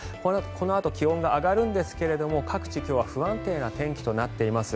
このあと気温が上がるんですけど各地、今日は不安定な天気となっています。